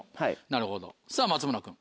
なるほどさぁ松村君。